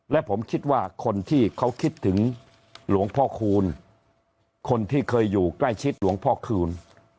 และผมคิดว่าคนที่เขาคิดถึงหลวงพ่อคูณคนที่เคยอยู่ใกล้ชิดหลวงพ่อคูณ